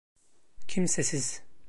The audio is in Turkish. Kimsesiz.